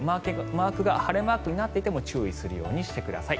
マークが晴れマークになっていても注意するようにしてください。